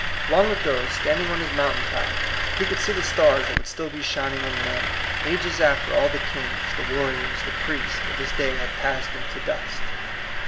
Long ago, standing on his mountain top, he could see the stars that would still be shining on men, ages after all the kings, the war riors, the priests, of his day had passed into dust.